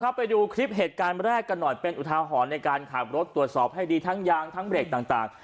ไปดูคลิปเหตุการณ์แรกกันหน่อยเป็นอุทาหรณ์ในการขับรถตรวจสอบให้ดีทั้งยางทั้งเบรกต่าง